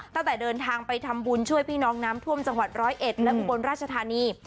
ตั้งแต่เดินทางไปทำบุญช่วยพี่น้องน้ำท่วมจังหวัดร้อยเอ็ดและอุบลราชธานี